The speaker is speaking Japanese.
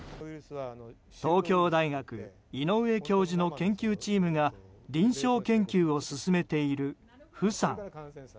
東京大学井上教授の研究チームが臨床研究を進めているフサン。